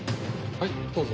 はいどうぞ。